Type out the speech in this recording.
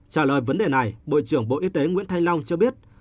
trả lời vấn đề này bộ trưởng bộ y tế nguyễn thanh long cho biết